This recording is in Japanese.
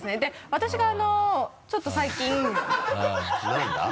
私がちょっと最近。